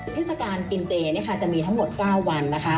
เทศกาลกินเจจะมีทั้งหมด๙วันนะคะ